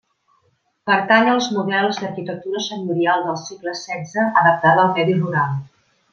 Pertany als models d'arquitectura senyorial del segle setze adaptada al medi rural.